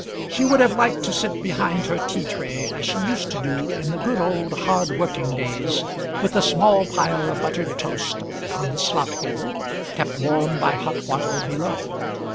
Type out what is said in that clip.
She would have liked to sit behind her tea tray as she used to do in the good old hard working days, with a small pile of buttered toast on the slop bowl, kept warm by hot water below.